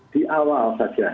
di awal saja